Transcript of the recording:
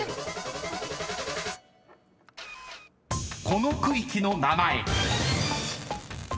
［この区域の名前］